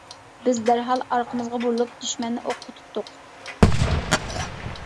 بىز دەرھال ئارقىمىزغا بۇرۇلۇپ دۈشمەننى ئوققا تۇتتۇق.